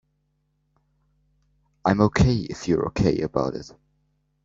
I'm OK if you're OK about it.